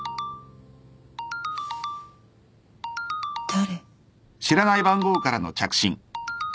誰？